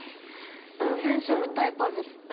染色体パズル？